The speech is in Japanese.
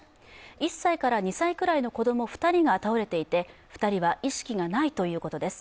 １歳から２歳くらいの子供２人が倒れていて、２人は意識がないということです。